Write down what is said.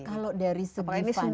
kalau dari segi funding